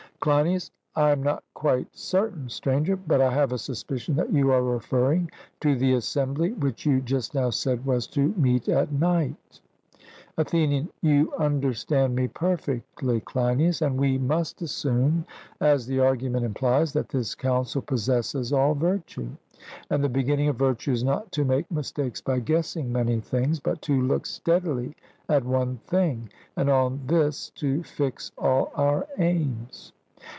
CLEINIAS: I am not quite certain, Stranger; but I have a suspicion that you are referring to the assembly which you just now said was to meet at night. ATHENIAN: You understand me perfectly, Cleinias; and we must assume, as the argument implies, that this council possesses all virtue; and the beginning of virtue is not to make mistakes by guessing many things, but to look steadily at one thing, and on this to fix all our aims.